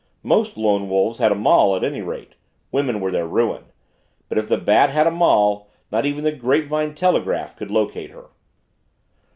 Most lone wolves had a moll at any rate women were their ruin but if the Bat had a moll, not even the grapevine telegraph could locate her.